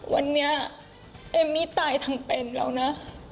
วันนี้เอมมี่ตายทั้งเป็นแล้วนะ